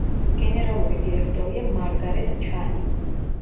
გენერალური დირექტორია მარგარეტ ჩანი.